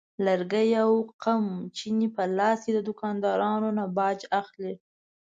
لرګي او قمچینې په لاس د دوکاندارانو نه باج اخلي.